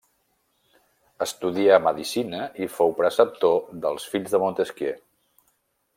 Estudià medicina i fou preceptor dels fills de Montesquieu.